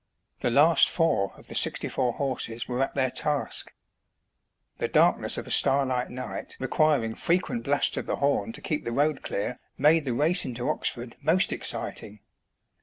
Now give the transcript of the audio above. The last four of the sixty four horses were at their task. The darkness of a star light night requiring frequent blasts of the horn to keep the road clear, made the race into Oxford most exciting.